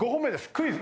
クイズ。